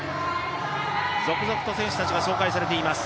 続々と選手たちが紹介されています。